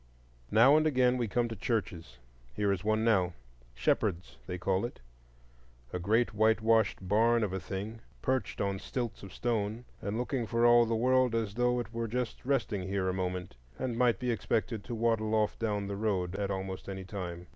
Now and again we come to churches. Here is one now,—Shepherd's, they call it,—a great whitewashed barn of a thing, perched on stilts of stone, and looking for all the world as though it were just resting here a moment and might be expected to waddle off down the road at almost any time.